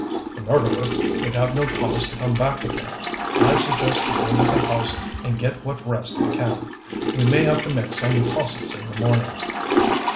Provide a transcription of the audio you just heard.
"The murderer would have no cause to come back again. I suggest we go to the house and get what rest we can. We may have to make some posses in the morning."